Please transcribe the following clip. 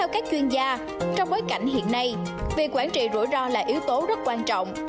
các chuyên gia trong bối cảnh hiện nay việc quản trị rủi ro là yếu tố rất quan trọng